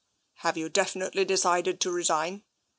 "Have you definitely decided to resign?"